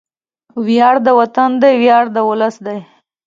وياړ د وطن دی، ویاړ د ولس دی